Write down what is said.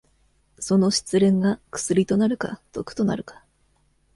その失恋が薬となるか毒となるか。